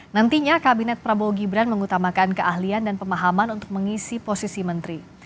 nantinya kabinet prabowo gibran mengutamakan keahlian dan pemahaman untuk mengisi posisi menteri